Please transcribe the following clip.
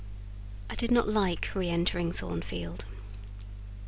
I did not like re entering Thornfield.